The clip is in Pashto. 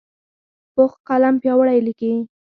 پوخ قلم پیاوړی لیکي